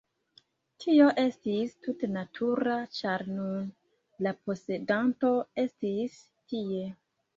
Tio estis tute natura, ĉar nun la posedanto estis tie.